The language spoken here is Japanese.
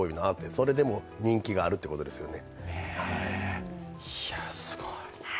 それでも人気があるということですよね。